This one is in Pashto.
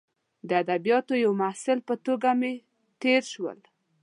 د ادبیاتو د یوه محصل په توګه مې تیر شول.